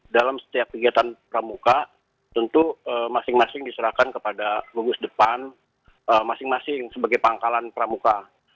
dalam setiap kegiatan pramuka tentu masing masing diserahkan kepada gugus depan masing masing sebagai pangkalan pramuka